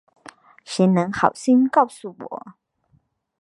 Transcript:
谁能好心告诉我